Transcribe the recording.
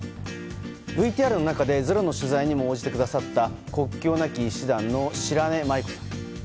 ＶＴＲの中で「ｚｅｒｏ」の取材にも応じてくださった国境なき医師団の白根麻衣子さん。